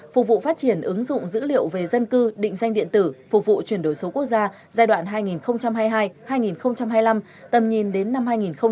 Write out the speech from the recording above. phục vụ phát triển ứng dụng dữ liệu về dân cư định danh điện tử phục vụ chuyển đổi số quốc gia giai đoạn hai nghìn hai mươi hai hai nghìn hai mươi năm tầm nhìn đến năm hai nghìn ba mươi